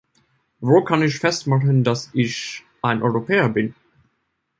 Wo kann ich festmachen, dass ich ein Europäer bin?